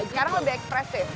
sekarang lebih ekspresif